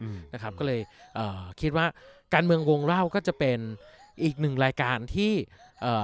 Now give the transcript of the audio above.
อืมนะครับก็เลยเอ่อคิดว่าการเมืองวงเล่าก็จะเป็นอีกหนึ่งรายการที่เอ่อ